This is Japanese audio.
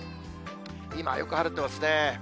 今、よく晴れてますね。